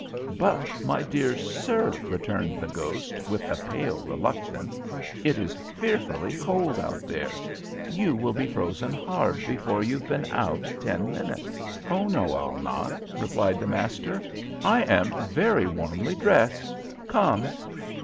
"But, my dear sir," returned the ghost, with a pale reluctance, "it is fearfully cold out there. You will be frozen hard before you've been out ten minutes." "Oh no, I'll not," replied the master. "I am very warmly dressed. Come!"